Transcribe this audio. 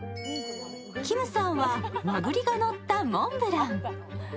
きむさんは和栗がのったモンブラン。